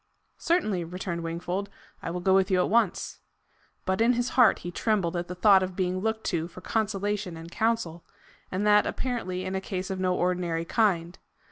"Certainly," returned Wingfold; "I will go with you at once." But in his heart he trembled at the thought of being looked to for consolation and counsel, and that apparently in a case of no ordinary kind.